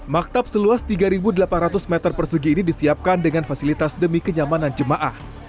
maktab seluas tiga delapan ratus meter persegi ini disiapkan dengan fasilitas demi kenyamanan jemaah